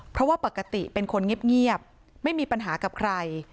เพราะว่าปกติเป็นคนเงียบไม่มีปัญหากับใคร